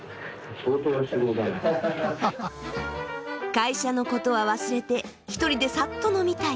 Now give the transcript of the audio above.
会社のことは忘れて一人でさっと飲みたい。